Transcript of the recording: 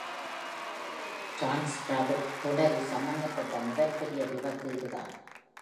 Transrapid தொடரி சம்பந்தப்பட்ட முதல் பெரிய விபத்து இது தான்.